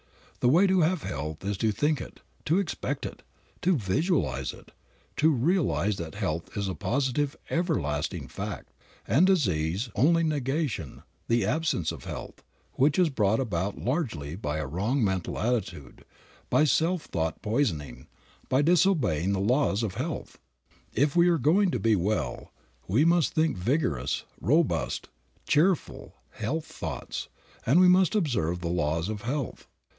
The way to have health is to think it, to expect it, to visualize it, to realize that health is a positive everlasting fact, and disease only negation, the absence of health, which is brought about largely by a wrong mental attitude, by self thought poisoning, by disobeying the laws of health. If we are going to be well, we must think vigorous, robust, cheerful, health thoughts, and we must observe the laws of health.